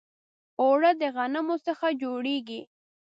اوړه د غنمو څخه جوړیږي